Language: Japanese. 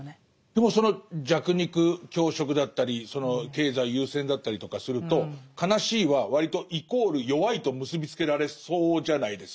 でもその弱肉強食だったり経済優先だったりとかすると悲しいは割とイコール弱いと結び付けられそうじゃないですか。